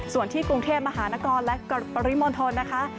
ส่วนที่กรุงเทพมหานครและปริมณฑลนะคะ